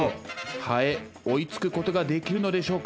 ハエ追いつくことができるのでしょうか？